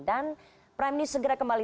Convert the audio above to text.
dan prime news segera kembali